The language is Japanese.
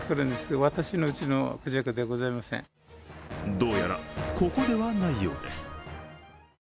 どうやらここではないようです。